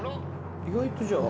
意外とじゃあ。